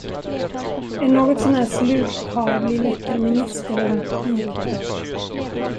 En något så när slug karl blir lättare minister än byråchef.